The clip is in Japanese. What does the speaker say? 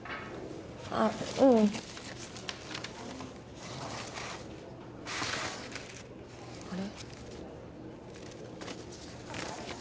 あっうんあれ？